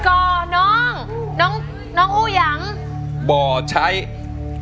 คุณยายแดงคะทำไมต้องซื้อลำโพงและเครื่องเสียง